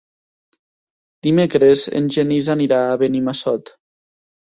Dimecres en Genís anirà a Benimassot.